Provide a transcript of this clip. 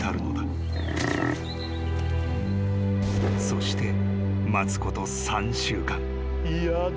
［そして待つこと３週間］